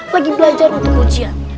lagi belajar untuk ujian